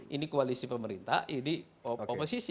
ini koalisi pemerintah ini oposisi